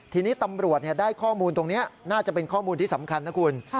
ทีนี้ตำรวจได้ข้อมูลตรงนี้น่าจะเป็นข้อมูลที่สำคัญนะคุณ